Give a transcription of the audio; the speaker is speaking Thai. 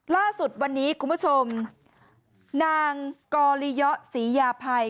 ล่าสุดวันนี้คุณผู้ชมนางกอลียะศรียาภัย